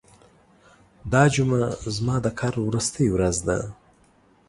دا جمعه زما د کار وروستۍ ورځ ده.